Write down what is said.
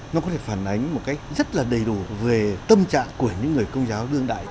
nó có thể phản ánh một cách rất là đầy đủ về tâm trạng của những người công giáo đương đại